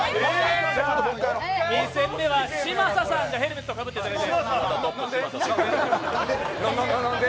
２戦目は嶋佐さんにヘルメットをかぶっていただいて。